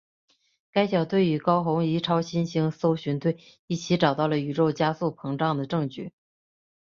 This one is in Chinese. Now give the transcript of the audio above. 该小队与高红移超新星搜寻队一起找到了宇宙加速膨胀的证据。